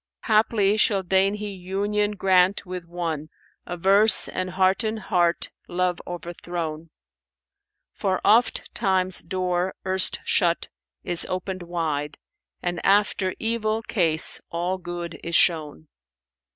Haply shall deign He union grant with one * Averse, and hearten heart love overthrown; For ofttimes door erst shut, is opened wide, * And after evil case all good is shown."